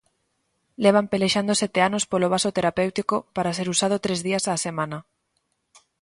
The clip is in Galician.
Levan pelexando sete anos polo vaso terapéutico para ser usado tres días á semana.